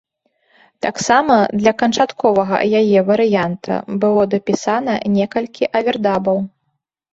Таксама для канчатковага яе варыянта было дапісана некалькі авердабаў.